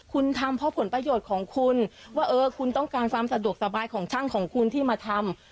คุณทำเพราะผลประโยชน์ของคุณว่าเออคุณต้องการความสะดวกสบายของช่างของคุณที่มาทำ